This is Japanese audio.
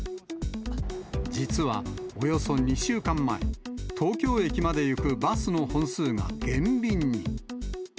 実はおよそ２週間前、東京駅まで行くバスの本数が減便に。